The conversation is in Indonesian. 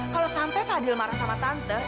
kalau sampai fadil marah sama tante